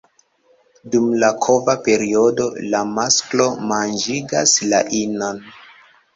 Dum la kova periodo, la masklo manĝigas la inon.